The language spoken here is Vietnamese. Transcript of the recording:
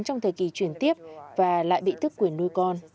trong thời kỳ chuyển tiếp và lại bị thức quyền nuôi con